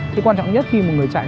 thế quan trọng nhất khi một người chạy